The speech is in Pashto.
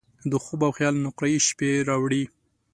د خوب او خیال نقرهيي شپې راوړي